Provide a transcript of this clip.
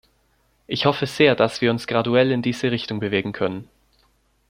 Ich hoffe sehr, dass wir uns graduell in diese Richtung bewegen können.